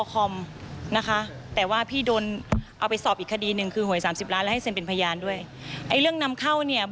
ค่ะพี่ถูกใส่ร้าย